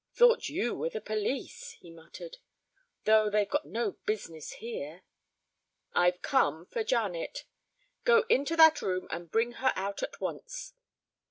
"Thought you were the police," he muttered. "Though they've got no business here " "I've come for Janet. Go into that room and bring her out at once."